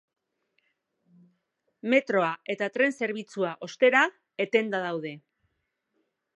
Metroa eta tren zerbitzua, ostera, etenda daude.